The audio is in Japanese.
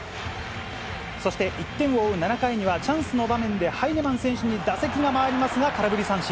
そして１点を追う７回には、チャンスの場面でハイネマン選手に打席が回りますが、空振り三振。